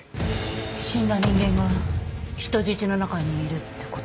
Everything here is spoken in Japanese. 死んだ人間が人質の中にいるってこと？